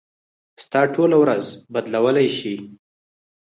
ستا ټوله ورځ بدلولی شي.